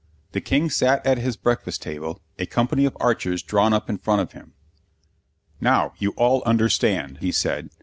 The King sat at his breakfast table, a company of archers drawn up in front of him. "Now you all understand," he said.